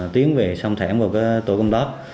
tiến về xong thảm vào tổ công tác